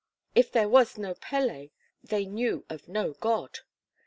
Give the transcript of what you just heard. If there was no Pele, they knew of no god.